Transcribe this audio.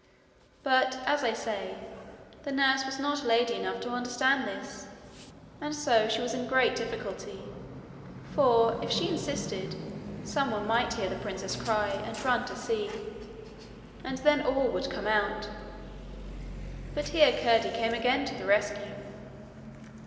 But, as I say, the nurse was not lady enough to understand this, and so she was in a great difficulty, for, if she insisted, someone might hear the princess cry and run to see, and then all would come out. But here Curdie came again to the rescue.